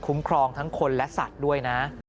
ครองทั้งคนและสัตว์ด้วยนะ